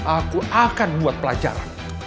aku akan buat pelajaran